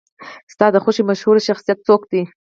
ستا د خوښې مشهور شخصیت څوک دی؟